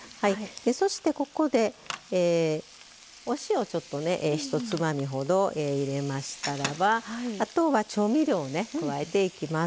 そして、ここで、お塩をひとつまみほど入れましたらばあとは、調味料を加えてきます。